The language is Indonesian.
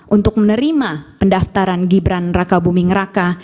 untuk menerima pendaftaran gibran raka buming raka